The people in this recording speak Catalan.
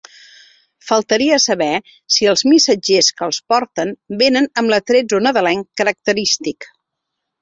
Faltaria saber si els missatgers que els porten vénen amb l’attrezzo nadalenc característic.